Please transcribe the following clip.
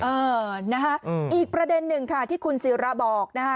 เออนะคะอีกประเด็นหนึ่งค่ะที่คุณศิราบอกนะคะ